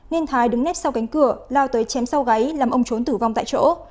nguyễn thái đứng nét sau cánh cửa lao tới chém sau gáy làm ông trốn tử vong tại chỗ